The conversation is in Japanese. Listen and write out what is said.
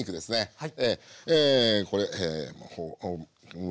はい。